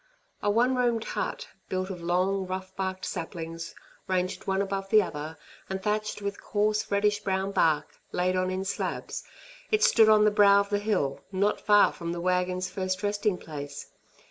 A one roomed hut, built of long, rough barked saplings, ranged one above the other, and thatched with coarse reddish brown bark, laid on in slabs, it stood on the brow of the hill not far from the wagon's first resting place.